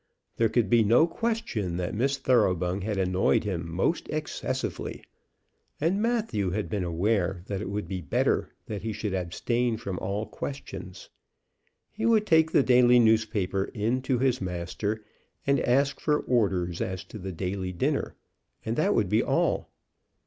There could be no question that Miss Thoroughbung had annoyed him most excessively. And Matthew had been aware that it would be better that he should abstain from all questions. He would take the daily newspaper in to his master, and ask for orders as to the daily dinner, and that would be all.